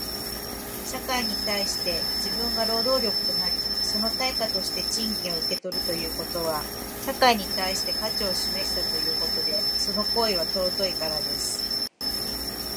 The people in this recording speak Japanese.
私は、この大学生活の四年間でアルバイトで賃金を稼ぎことを頑張ろうと考えています。なぜなら、社会に対して、自分が労働力となり、その対価として賃金を受け取るということは社会に対して価値を示したということで、その行為は尊いからです。このような経験をすることで立派な社会人になるための準備を進めたいと考えています。